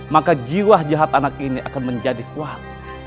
maka jiwa jahat anak ini akan menjadi kuat